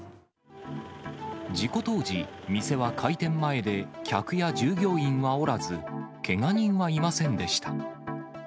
事故当時、店は開店前で客や従業員はおらず、けが人はいませんでした。